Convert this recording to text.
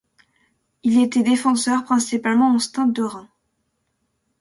Il était défenseur, principalement au Stade de Reims.